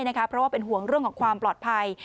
เพราะว่าเป็นห่วงเรื่องของความปลอดภัย